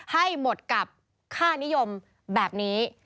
ให้หมดกับค่านิยมแบบนี้